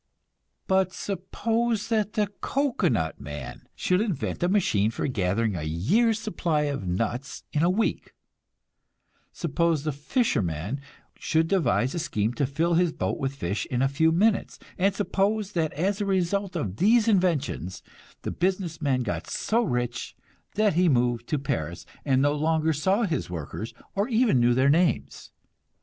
But suppose that the cocoanut man should invent a machine for gathering a year's supply of nuts in a week; suppose the fisherman should devise a scheme to fill his boat with fish in a few minutes; and suppose that as a result of these inventions the business man got so rich that he moved to Paris, and no longer saw his workers, or even knew their names.